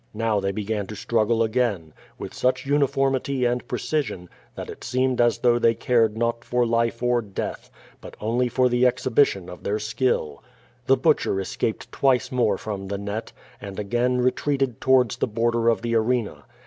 Now they began to ^ruggle again, with sucli uniformity and precision, that it seeiihjd as though tliey cared not for life or deatli, but only for the cihibition of their skill. The liutcher escaped twice more from xjie net, and again re treated towards the border of the arena.